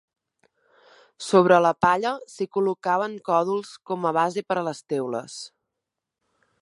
Sobre la palla s'hi col·locaven còdols com a base per a les teules.